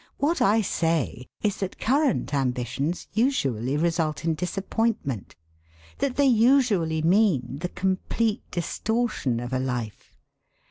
What I say is that current ambitions usually result in disappointment, that they usually mean the complete distortion of a life.